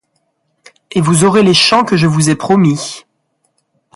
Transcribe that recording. Et vous aurez les chants que je vous ai promis ;